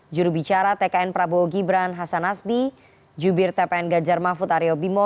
jurubicara tkn prabowo gibran hasan asbi jubir tpn ganjar mahfud aryo bimo